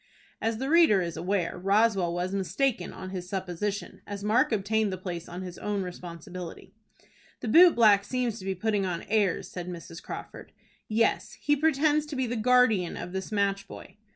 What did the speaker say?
As the reader is aware, Roswell was mistaken in his supposition, as Mark obtained the place on his own responsibility. "The boot black seems to be putting on airs," said Mrs. Crawford. "Yes, he pretends to be the guardian of this match boy."